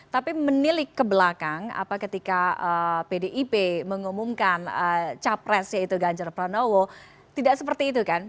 tapi menilik ke belakang ketika pdip mengumumkan capres yaitu ganjar pranowo tidak seperti itu kan